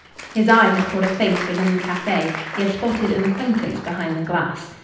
His eye had caught a face within the cafe he had spotted an acquaintance behind the glass.